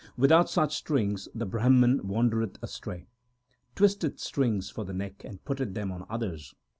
Without such strings the Brahman wandereth astray, Twisteth strings for the neck, and putteth them on others.